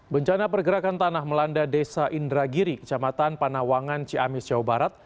bencana pergerakan tanah melanda desa indragiri kecamatan panawangan ciamis jawa barat